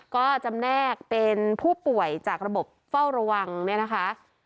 ก็จำแนกเป็นผู้ป่วยจากระบบเฝ้าระวังเนี่ยนะคะ